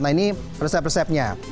nah ini resep resepnya